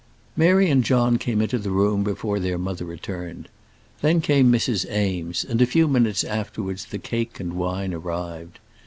Mary and John came into the room before their mother returned; then came Mrs. Eames, and a few minutes afterwards the cake and wine arrived.